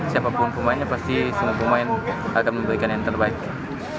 siapapun pemainnya pasti semua pemain akan memperbaikinya